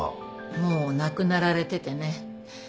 もう亡くなられててね。